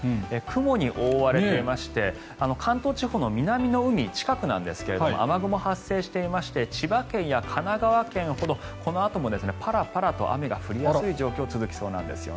雲に覆われていまして関東地方の南の海近くなんですが雨雲が発生していまして千葉県や神奈川県ほどこのあともパラパラと雨が降りやすい状況が続きそうです。